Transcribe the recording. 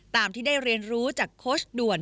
ตามที่ได้เรียนรู้จากโค้ชด่วน